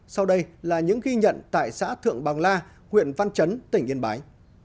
sau đây là những ghi nhận tại xã thượng bằng la huyện văn chấn tỉnh yên bái